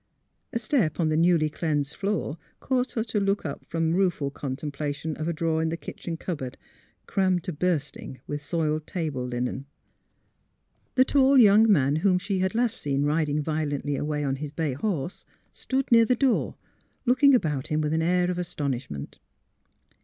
A step on the newly cleansed floor caused her to look up from a rueful contemplation of a drawer in the kitchen cupboard, crammed to bursting with soiled table linen. The tall young man whom she had last seen rid ing violently away on his bay horse stood near the door looking about him with an air of astonish ment.